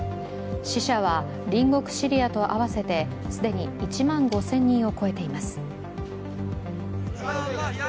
死者は隣国シリアと合わせて既に１万５０００人を超えています。